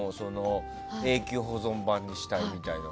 永久保存版にしたみたいな。